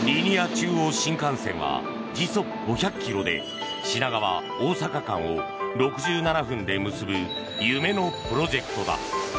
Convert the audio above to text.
中央新幹線は時速５００キロで品川大阪間を６７分で結ぶ夢のプロジェクトだ。